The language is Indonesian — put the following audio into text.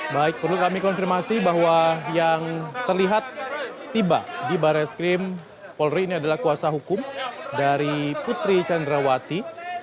baik perlu kami konfirmasi bahwa yang terlihat tiba di barreskrim polri ini adalah kuasa hukum dari putri candrawati